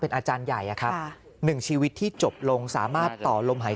อาจารย์ใหญ่ครับหนึ่งชีวิตที่จบลงสามารถต่อลมหาย